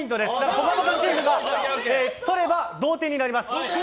「ぽかぽか」チームがとれば同点になります。